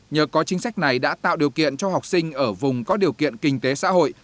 nhờ có chính sách này đã tạo điều kiện cho học sinh ở vùng có điều kiện kinh tế xã hội